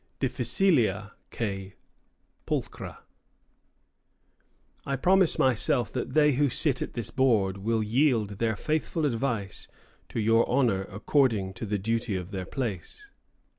Difficilia quæ pulchra. I promise myself that they who sit at this Board will yield their Faithful Advice to your Honour according to the Duty of their Place."